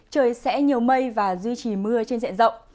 trời sẽ nhiều mây và duy trì mưa trên diện rộng